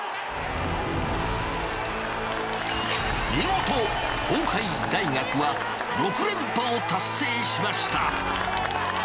見事、東海大学は６連覇を達成しました。